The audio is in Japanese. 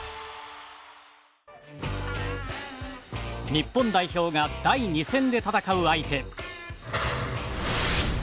日本代表が第２戦で戦う相手。